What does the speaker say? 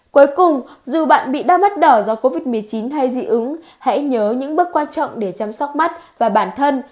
cuối cùng dù bạn bị đau mắt đỏ do covid một mươi chín hay dị ứng hãy nhớ những bước quan trọng để chăm sóc mắt và bản thân